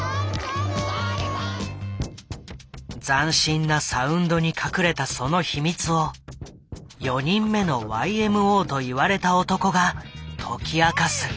斬新なサウンドに隠れたその秘密を「４人目のＹＭＯ」と言われた男が解き明かす。